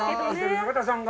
永田さんが。